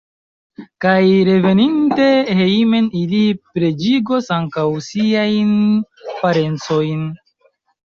Kaj reveninte hejmen ili preĝigos ankaŭ siajn parencojn.